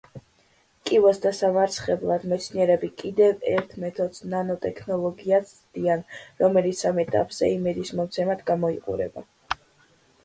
კიბოს დასამარცხებლად მეცნიერები კიდევ ერთ მეთოდს, ნანოტექნოლოგიას ცდიან, რომელიც ამ ეტაპზე იმედისმომცემად გამოიყურება.